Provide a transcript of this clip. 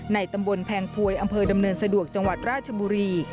ตำบลแพงพวยอำเภอดำเนินสะดวกจังหวัดราชบุรี